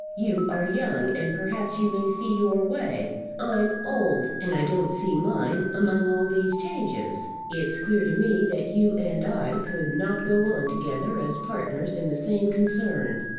You are young, and perhaps you may see your way. I'm old, and I don't see mine among all these changes. It's clear to me that you and I could not go on together as partners in the same concern.